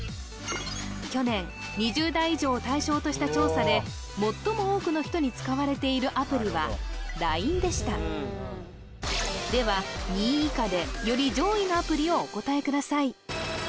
去年２０代以上を対象とした調査で最も多くの人に使われているアプリはＬＩＮＥでしたでは２位以下でより上位のアプリをお答えください